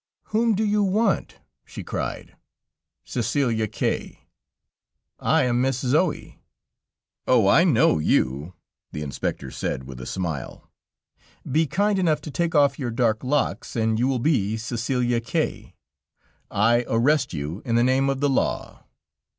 "Whom do you want?" she cried. "Cæcelia K ." "I am Miss Zoë." "Oh! I know you," the Inspector said with a smile; "be kind enough to take off your dark locks, and you will be Cæcelia K . I arrest you in the name of the law."